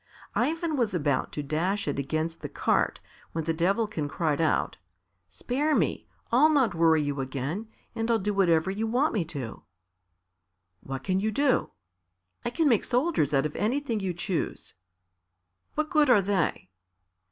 Ivan was about to dash it against the cart, when the Devilkin cried out, "Spare me! I'll not worry you again, and I'll do whatever you want me to." "What can you do?" "I can make soldiers out of anything you choose." "What good are they?"